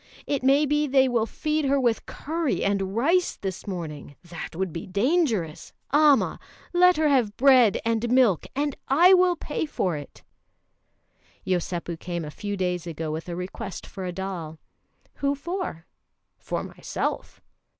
It may be they will feed her with curry and rice this morning. That would be dangerous. Amma! Let her have bread and milk, and I will pay for it!" Yosépu came a few days ago with a request for a doll. "Who for?" "For myself."